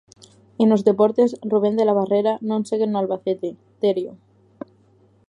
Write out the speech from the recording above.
E nos deportes, Rubén de la Barrera non segue no Albacete, Terio.